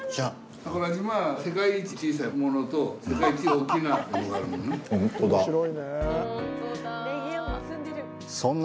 桜島は、世界一小さいものと世界一大きなものがあるんだな。